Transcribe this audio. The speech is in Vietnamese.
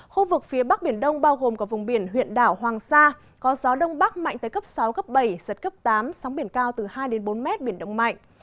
khu vực phía bắc biển đông bao gồm có vùng biển huyện đảo hoàng sa có gió đông bắc mạnh tới cấp sáu cấp bảy giật cấp tám sóng biển cao từ hai bốn m biển động mạnh